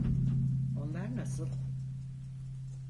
Onlar nasıl?